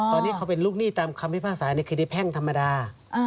ตอนนี้เขาเป็นลูกหนี้ตามคำพิพากษาในคดีแพ่งธรรมดา